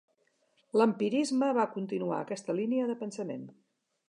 L'empirisme va continuar aquesta línia de pensament.